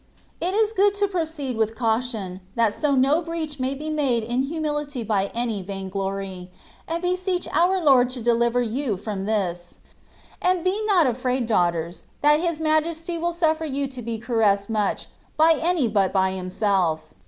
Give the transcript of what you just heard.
It is good to proceed with caution, that so no breach may be made in humility by any vain glory ; and beseech our Lord to deliver you from this ; and be not afraid, daughters, that His Majesty will sufifer you to be caressed much by any but by Himself.